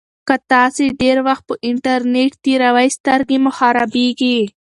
که تاسي ډېر وخت په انټرنيټ تېروئ سترګې مو خرابیږي.